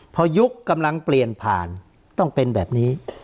พอยุคกำลังเปลี่ยนผ่านต้องเป็นแบบนี้